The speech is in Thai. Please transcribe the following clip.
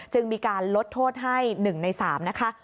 จึงมีการลดโทษให้๑ใน๓นะคะ